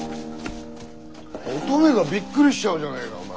オトメがびっくりしちゃうじゃねえかお前。